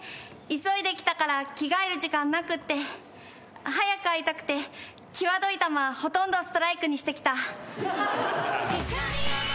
急いで来たから着替える時間なくって」「早く会いたくて際どい球はほとんどストライクにしてきた」